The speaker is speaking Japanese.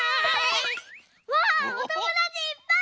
わあおともだちいっぱい！